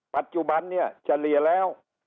ปัจจุบันเนี่ยเฉลี่ยแล้ว